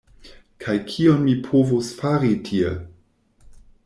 Kaj kion mi povos fari tie?